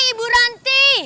hei ibu ranti